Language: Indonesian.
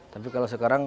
tapi kalau sekarang